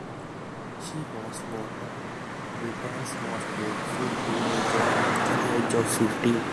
She was voted Britain's most beautiful teenager at the age of fifteen.